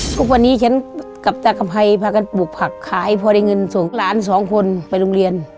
ทุกวันนี้ฉันกับตากำไพรพากันปลูกผักขายพอได้เงินส่งหลานสองคนไปโรงเรียน